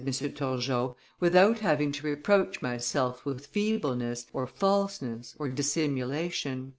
Turgot, "without having to reproach myself with feebleness, or falseness, or dissimulation."